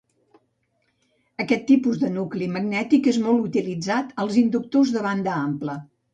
Aquest tipus de nucli magnètic és molt utilitzat als inductors de banda ampla.